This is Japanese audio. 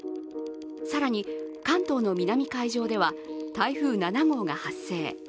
更に関東の南海上では台風７号が発生。